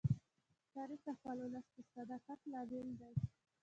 تاریخ د خپل ولس د صداقت لامل دی.